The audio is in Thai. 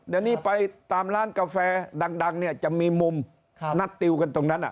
เดี๋ยวนี้ไปตามร้านกาแฟดังเนี่ยจะมีมุมนัดติวกันตรงนั้น